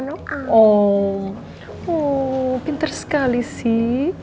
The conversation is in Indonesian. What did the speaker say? oh pintar sekali sih